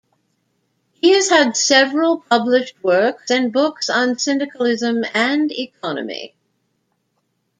He has had several published works and books on syndicalism and economy.